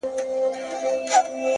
يوازي زه يمه چي ستا په حافظه کي نه يم-